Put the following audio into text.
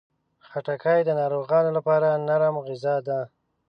خټکی د ناروغانو لپاره نرم غذا ده.